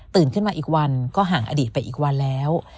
ขึ้นมาอีกวันก็ห่างอดีตไปอีกวันแล้ว